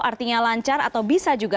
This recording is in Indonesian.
artinya lancar atau bisa juga